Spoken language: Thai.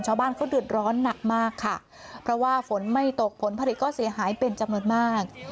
ชาวบ้านเขาเดือดร้อนหนักมากค่ะเพราะว่าฝนไม่ตกผลผลิตก็เสียหายเป็นจำนวนมาก